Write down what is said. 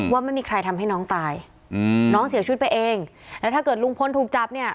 ว่าไม่มีใครทำให้น้องตายอืมน้องเสียชีวิตไปเองแล้วถ้าเกิดลุงพลถูกจับเนี่ย